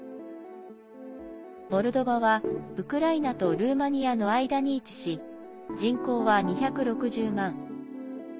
モルドバは、ウクライナとルーマニアの間に位置し人口は２６０万。